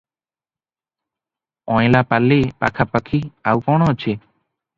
ଅଁଏଲାପଲି ପାଖାପାଖି ଆଉ କଣ ଅଛି?